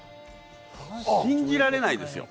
信じられないですよね。